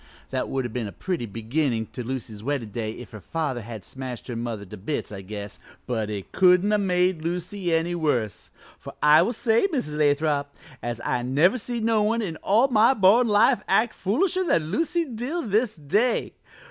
That would have been a pretty beginnin' to Lucy's weddin' day if her father had smashed her mother to bits, I guess, but it couldn't have made Lucy any worse; for I will say, Mrs. Lathrop, as I never see no one in all my born life act foolisher than Lucy Dill this day.